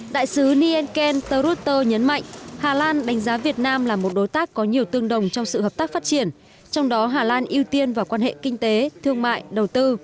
đại sứ nienkel rutte nhấn mạnh hà lan đánh giá việt nam là một đối tác có nhiều tương đồng trong sự hợp tác phát triển trong đó hà lan ưu tiên vào quan hệ kinh tế thương mại đầu tư